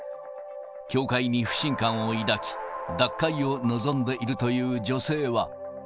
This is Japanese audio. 教会に不信感を抱き、脱会を望んでいるという女性は。